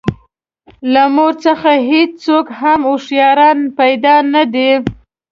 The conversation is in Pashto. له مور څخه هېڅوک هم هوښیاران پیدا نه دي.